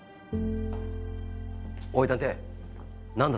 おい探偵何だ？